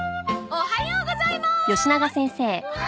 おはようございます！